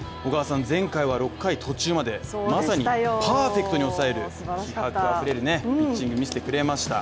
前回は６回途中まで、まさにパーフェクトに抑える気迫あふれるピッチング、見せてくれました。